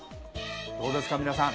どうですか皆さん。